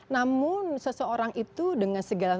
namun seseorang itu dengan segala